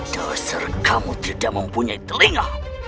dasar kamu tidak mempunyai telinga